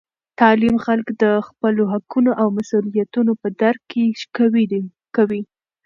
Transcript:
تعلیم خلک د خپلو حقونو او مسؤلیتونو په درک کې قوي کوي.